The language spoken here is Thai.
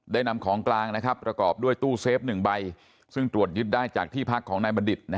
นำของกลางประกอบด้วยตู้เซฟ๑ใบซึ่งตรวจยึดได้จากที่พักของนายบัณฑิต